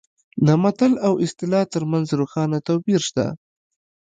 د متل او اصطلاح ترمنځ روښانه توپیر شته